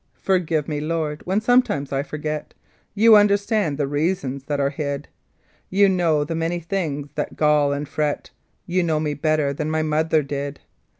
Forgive me, Lord, when sometimes I forget; You understand the reasons that are hid; You know the many things that gall and fret, You know me better than my Mother did.